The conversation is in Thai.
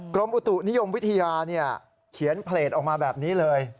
กรมอุตุนิยมวิทยาเขียนเพลตออกมาแบบนี้เลย